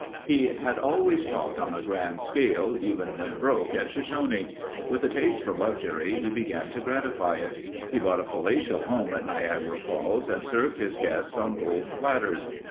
He had always talked on a grand scale even when broke at Shoshone. With a taste for luxury he began to gratify it. He bought a palatial home at Niagara Falls and served his guests on gold platters.